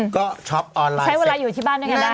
ก็ช็อปออนไลน์ใช้เวลาอยู่ที่บ้านด้วยกันได้